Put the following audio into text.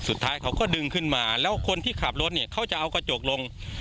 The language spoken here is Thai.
สุดท้ายเขาก็ดึงขึ้นมาแล้วคนที่ขับรถเนี่ยเขาจะเอากระจกลง